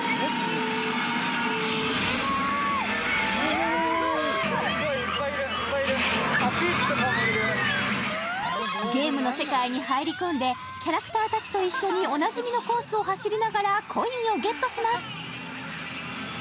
すごいゲームの世界に入り込んでキャラクター達と一緒におなじみのコースを走りながらコインをゲットします